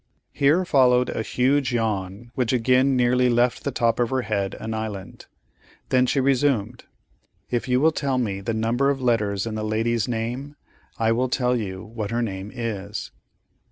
(Here followed a huge yawn which again nearly left the top of her head an island.) Then she resumed, "If you will tell me the number of letters in the lady's name, I will tell you what her name is."